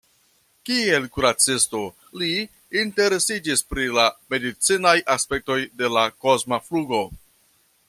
Kiel kuracisto, li interesiĝis pri la medicinaj aspektoj de la kosma flugo.